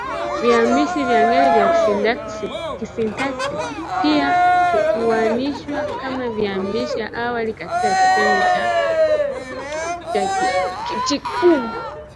Viambishi vya ngeli za kisintaksia pia huainishwa kama viambishi awali katika kitenzi cha Kitikuu